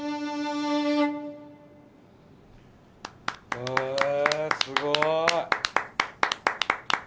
へえすごい。